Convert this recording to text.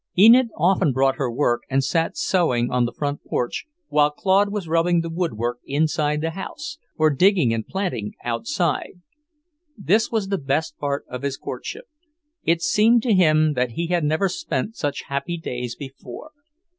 Enid often brought her work and sat sewing on the front porch while Claude was rubbing the woodwork inside the house, or digging and planting outside. This was the best part of his courtship. It seemed to him that he had never spent such happy days before.